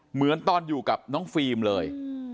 เหมือนตอนอยู่กับน้องฟิล์มเลย